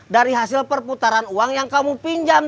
dari hasil perputaran uang yang kamu pinjam